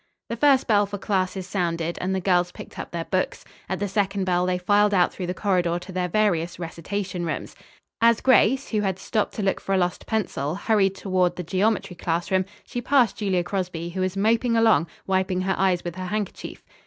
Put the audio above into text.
The first bell for classes sounded and the girls picked up their books. At the second bell they filed out through the corridor to their various recitation rooms. As Grace, who had stopped to look for a lost pencil, hurried toward the geometry classroom, she passed Julia Crosby, who was moping along, wiping her eyes with her handkerchief.